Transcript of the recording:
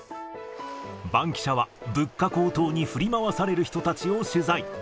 バンキシャは、物価高騰に振り回される人たちを取材。